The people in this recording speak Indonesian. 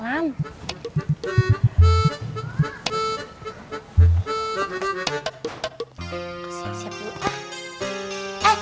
kasih siap siap dulu ah